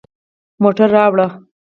موټر راوړه